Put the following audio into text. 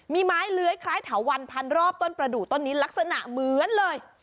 มีไม้เลื้อยคล้ายเถาวันพันรอบต้นประดูกต้นนี้ลักษณะเหมือนเลย